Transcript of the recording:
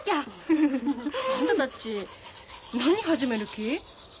あんたたち何始める気？